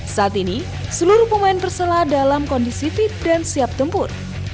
saat ini seluruh pemain persela dalam kondisi fit dan siap tempur